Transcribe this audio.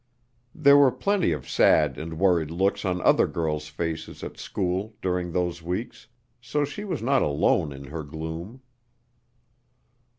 There were plenty of sad and worried looks on other girls' faces at school during those weeks, so she was not alone in her gloom.